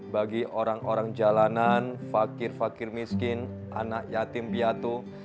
bagi orang orang jalanan fakir fakir miskin anak yatim piatu